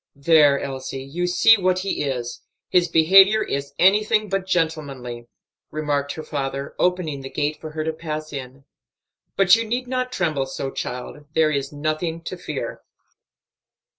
"There, Elsie, you see what he is; his behavior is anything but gentlemanly," remarked her father, opening the gate for her to pass in. "But you need not tremble so, child; there is nothing to fear."